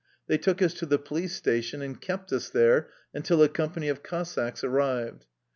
They took us to the police station and kept us there until a company of Cossacks arrived.